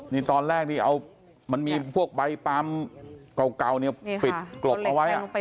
นี่ตอนแรกมันมีพวกใบปลามเก่าปิดกรบเอาไว้